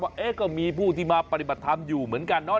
ว่าก็มีผู้ที่มาปฏิบัติธรรมอยู่เหมือนกันเนาะ